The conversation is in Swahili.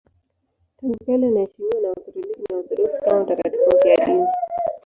Tangu kale anaheshimiwa na Wakatoliki na Waorthodoksi kama mtakatifu mfiadini.